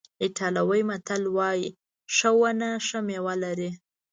ایټالوي متل وایي ښه ونه ښه میوه لري.